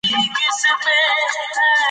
لیکوال په خپلو لیکنو کې دا مقام خوندي ساتلی.